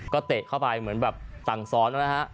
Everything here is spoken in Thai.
ก็เตะเข้าไปเหมือนแบบสั่งซ้อนนะฮะ